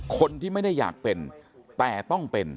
คนที่ไม่ได้อยากเป็นแต่ต้องเป็น